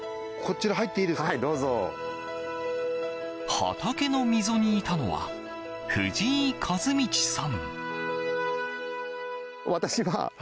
畑の溝にいたのは藤井一至さん。